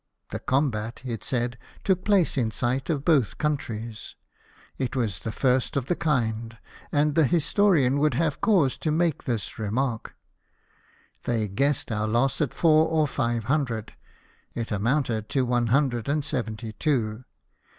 " The combat," it said, " took place in sight of both countries ; it was the first of the kind, and the historian would have cause to make this remark." They guessed our loss at four or live hundred ; it amounted to one hundred and seventy two.